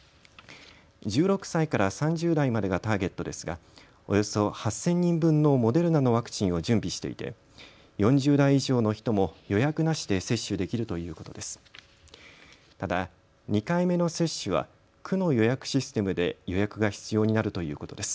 １６歳から３０代までがターゲットですがおよそ８０００人分のモデルナのワクチンを準備していて４０代以上の人も予約なしで接種できるということです。